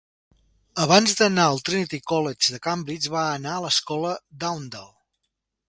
Abans d'anar al Trinity College de Cambridge, va anar a l'Escola d'Oundle.